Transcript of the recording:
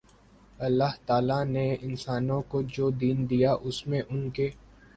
اللہ تعالی نے انسانوں کو جو دین دیا اس میں ان کے